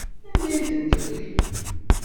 Anda ay tent-tebrim?